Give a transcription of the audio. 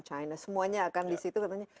china semuanya akan di situ katanya